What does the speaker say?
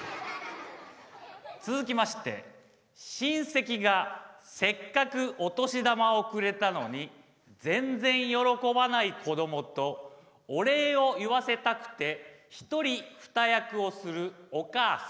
続きまして親戚がせっかくお年玉をくれたのに全然喜ばない子どもとお礼を言わせたくて一人二役をするお母さん。